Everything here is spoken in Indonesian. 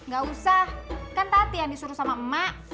gak usah kan tati yang disuruh sama emak